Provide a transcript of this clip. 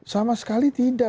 sama sekali tidak